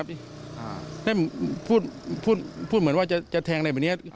เพราะนั้นพี่พูดเหมือนว่าจะแทงในแบบนี้